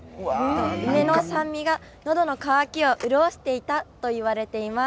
梅の酸味が、のどの渇きを潤していたと言われています。